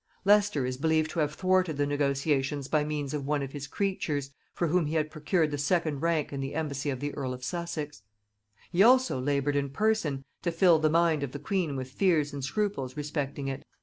Leicester is believed to have thwarted the negotiations by means of one of his creatures, for whom he had procured the second rank in the embassy of the earl of Sussex; he also labored in person to fill the mind of the queen with fears and scruples respecting it.